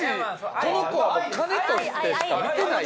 この子はもう金としてしか見てないやん。